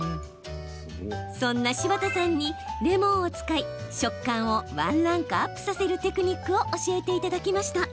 そんな柴田さんに、レモンを使い食感をワンランクアップさせるテクニックを教えていただきました。